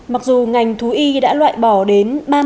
mặc dù ngành thú y đã loại bỏ đến